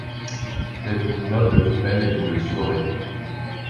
Faites-vous noble vous-même, et vous le serez.